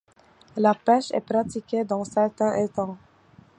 La pêche est pratiquée dans certains étangs.